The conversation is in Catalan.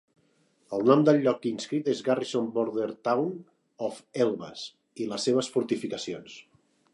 El nom del lloc inscrit és Garrison Border Town of Elvas i les seves Fortificacions.